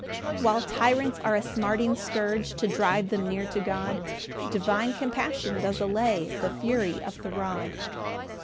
3 While tyrants are a smarting scourge To drive them near to God, Divine compassion does allay The fury of the rod.